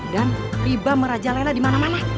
dan riba merajalela di mana mana